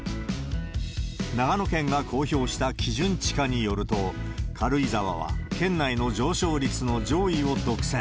長野県が公表した基準地価によると、軽井沢は県内の上昇率の上位を独占。